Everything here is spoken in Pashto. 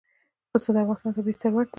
پسه د افغانستان طبعي ثروت دی.